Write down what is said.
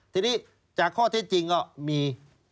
ทีนี้จากข้อเท็จจริงก็มี